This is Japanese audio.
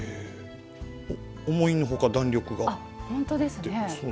思いのほか、弾力が。